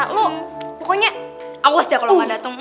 lo pokoknya awas ya kalo gak dateng